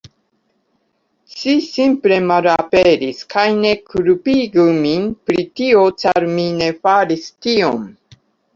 Ŝi simple malaperis kaj ne kulpigu min pri tio ĉar mi ne faris tion